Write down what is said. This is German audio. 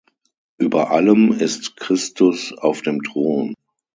Über allem ist Christus auf dem Thron.